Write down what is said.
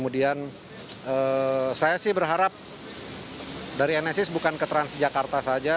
dan saya sih berharap dari enesis bukan ke transjakarta saja